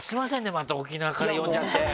また沖縄から呼んじゃって。